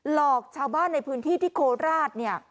หลอกชาวบ้านในพื้นที่ที่โคราชเนี่ย